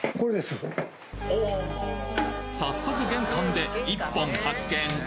早速玄関で１本発見！